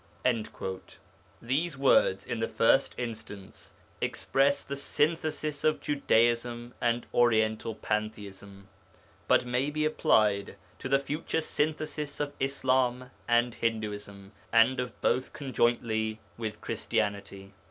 These words in the first instance express the synthesis of Judaism and Oriental pantheism, but may be applied to the future synthesis of Islam and Hinduism, and of both conjointly with Christianity.